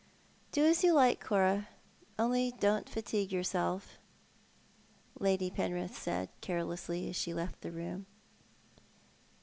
" Do as you like, Cora, only don't fatigue yourself," Lady Penrith eaid carelessly, as she left the room.